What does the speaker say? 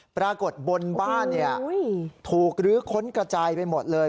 ปรากฏบนบ้านถูกลื้อค้นกระจายไปหมดเลย